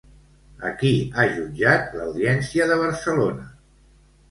A qui ha jutjat l'Audiència de Barcelona?